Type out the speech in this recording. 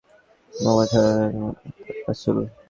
মুহাম্মাদ সাল্লাল্লাহু আলাইহি ওয়াসাল্লাম তাঁর রাসূল।